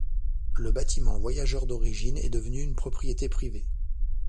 Le bâtiment voyageurs d'origine est devenu une propriété privée.